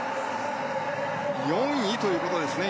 ４位ということですね